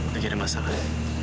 lagi ada masalah